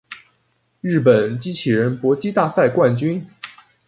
日本机器人搏击大赛冠军